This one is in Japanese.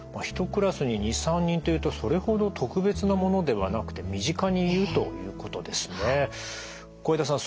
１クラスに２３人というとそれほど特別なものではなくて身近にいるということですね。